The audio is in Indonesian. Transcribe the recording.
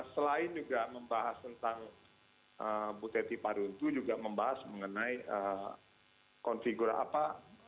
selain juga membahas tentang bu teti paruntu juga membahas mengenai konfigurasi apa